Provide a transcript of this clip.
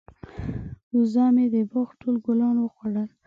وزه مې د باغ ټول ګلان وخوړل.